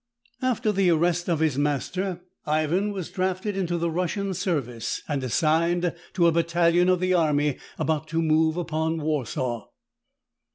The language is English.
After the arrest of his master, Ivan was drafted into the Russian service and assigned to a bat talion of the army about to move upon Warsaw.